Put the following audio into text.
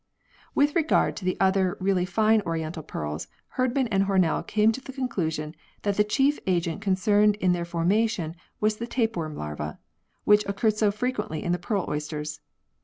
With regard to the other really fine oriental pearls, Herdmau and Hornell came to the conclusion that the chief agent concerned in their formation was the tapeworm larva, which occurred so frequently in the pearl oysters.